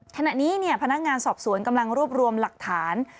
ขณะนี้พนักงานสอบสวนกำลังรวบรวมหลักฐาน